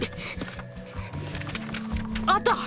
あった！